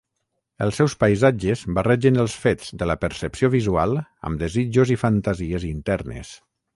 Els seus paisatges barregen els fets de la percepció visual amb desitjos i fantasies internes.